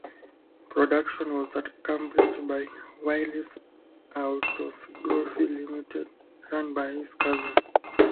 Production was at Cambridge by "Wallis Autogyros Limited" run by his cousin.